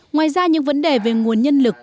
ngoài ra những vấn đề về nguồn nhân lực